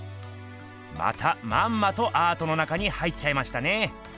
またまんまとアートの中に入っちゃいましたね。